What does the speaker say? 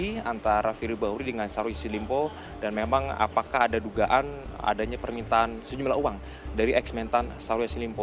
komunikasi antara fili bahuri dengan sarwis silimpo dan memang apakah ada dugaan adanya permintaan sejumlah uang dari eksmentan sarwis silimpo